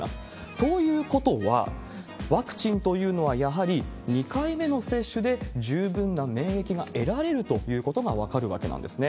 ということは、ワクチンというのはやはり、２回目の接種で十分な免疫が得られるということが分かるわけなんですね。